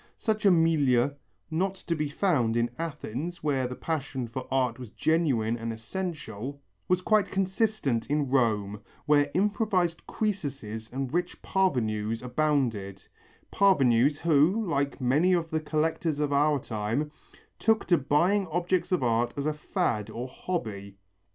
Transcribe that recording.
Such a milieu, not to be found in Athens where the passion for art was genuine and essential, was quite consistent in Rome where improvised Crœsuses and rich parvenus abounded; parvenus who, like many of the collectors of our times, took to buying objects of art as a fad or hobby.